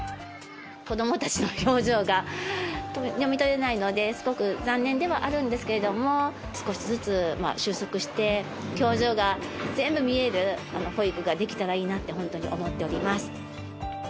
子どもたちの表情が読み取れないので、すごく残念ではあるんですけれども、少しずつ収束して、表情が全部見える保育ができたらいいなって、本当に思っております。